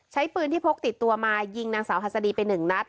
ใช้ปืนที่พกติดตัวมายิงนางสาวฮัศดีไปหนึ่งนัด